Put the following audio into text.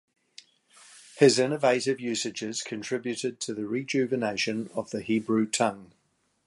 His innovative usages contributed to the rejuvenation of the Hebrew tongue.